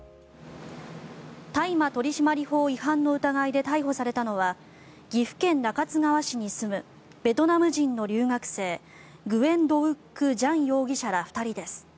大麻取締法違反の疑いで逮捕されたのは岐阜県中津川市に住むベトナム人の留学生グエン・ドウック・ジャン容疑者ら２人です。